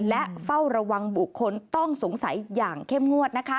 และเฝ้าระวังบุคคลต้องสงสัยอย่างเข้มงวดนะคะ